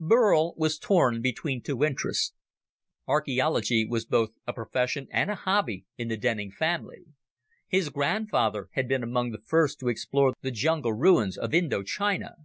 Burl was torn between two interests. Archaeology was both a profession and a hobby in the Denning family. His grandfather had been among the first to explore the jungle ruins of Indochina.